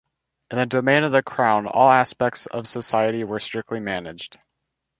In the Domain of the Crown all aspects of society were strictly managed.